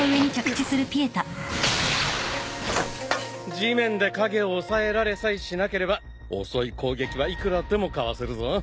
地面で影をおさえられさえしなければ遅い攻撃はいくらでもかわせるぞ。